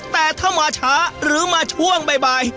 แต่ถ้ามาช้าหรือมาช่วงบ่าย